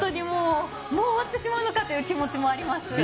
もう終わってしまうのかという気持ちもあります。